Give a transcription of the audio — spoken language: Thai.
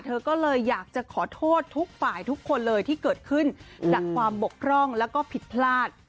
เธอก็เลยอยากจะขอโทษทุกฝ่ายทุกคนเลยที่เกิดขึ้นจากความบกพร่องแล้วก็ผิดพลาด